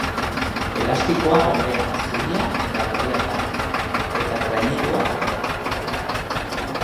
Elastikoa berdea, zuria eta gorria da, eta trainerua berdea.